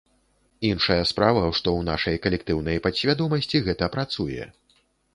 Іншая справа, што ў нашай калектыўнай падсвядомасці гэта працуе.